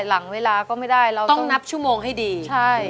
หลังเวลาก็ไม่ได้เราต้องนับชั่วโมงให้ดีใช่